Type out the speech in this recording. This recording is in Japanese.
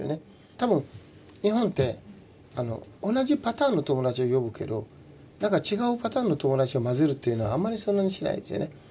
多分日本って同じパターンの友達を呼ぶけどなんか違うパターンの友達を交ぜるというのはあんまりそんなにしないんですよね。